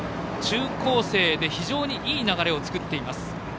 中高生で非常にいい流れを作っています。